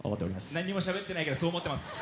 何もしゃべってないけどそう思ってます。